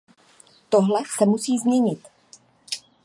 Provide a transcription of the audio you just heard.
Tohle se musí změnit.